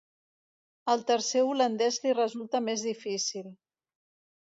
El tercer holandès li resulta més difícil.